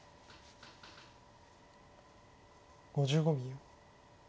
５５秒。